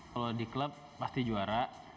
kalau di klub pasti juara